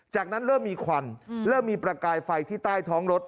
จากนั้นเริ่มมีควันเริ่มมีประกายไฟที่ใต้ท้องรถ